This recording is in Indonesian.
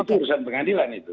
itu urusan pengadilan itu